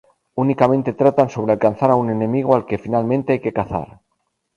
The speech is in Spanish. Únicamente tratan sobre alcanzar a un enemigo al que finalmente hay que cazar.